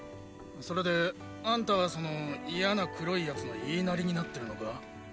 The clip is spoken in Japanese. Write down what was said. それであんたはその嫌な黒い奴の言いなりになってるのか？